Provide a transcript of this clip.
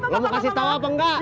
lo mau kasih tahu apa enggak